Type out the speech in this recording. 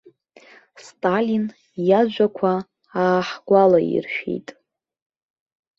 Сталин иажәақәа ааҳгәалаиршәеит.